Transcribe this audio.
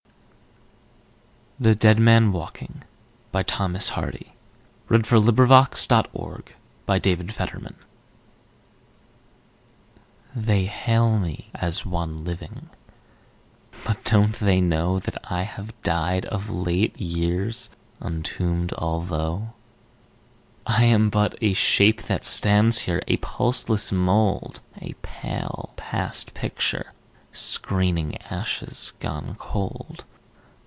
nt The Dead Man Walking, by Thomas Hardy THE DEAD MAN WALKING by: Thomas Hardy (1840 1928) HEY hail me as one living, But don't they know That I have died of late years, Untombed although? I am but a shape that stands here, A pulseless mould, A pale past picture, screening Ashes gone cold.